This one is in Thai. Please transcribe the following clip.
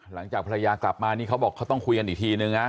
หลังจากภรรยากลับมานี่เขาบอกเขาต้องคุยกันอีกทีนึงนะ